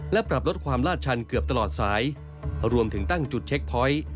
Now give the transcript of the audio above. และปรับลดความลาดชันเกือบตลอดสายรวมถึงตั้งจุดเช็คพอยต์